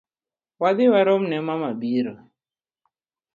Wadhi waromne mama biro.